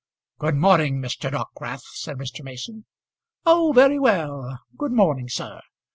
"Good morning, Mr. Dockwrath," said Mr. Mason. "Oh, very well. Good morning, sir.